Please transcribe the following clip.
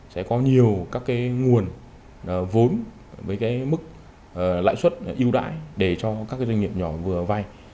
sẽ có nhiều các nguồn vốn với mức lãi suất ưu đãi để cho các doanh nghiệp nhỏ vừa vay